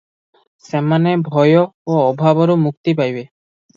ସେମାନେ ଭୟ ଓ ଅଭାବରୁ ମୁକ୍ତି ପାଇବେ ।